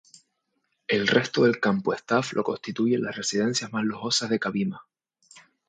El resto del campo Staff lo constituyen las residencias más lujosas de Cabimas.